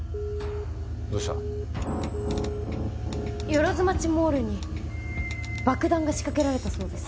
万町モールに爆弾が仕掛けられたそうです。